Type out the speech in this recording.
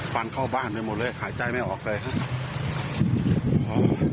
ฟันเข้าบ้านไปหมดเลยหายใจไม่ออกเลยครับ